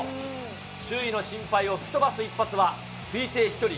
周囲の心配を吹き飛ばす一発は、推定飛距離